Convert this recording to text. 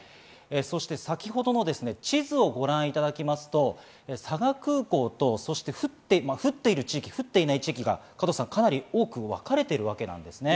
そして先ほどの地図をご覧いただきますと佐賀空港と降っている地域、降っていない地域がかなり多く分かれているわけですね。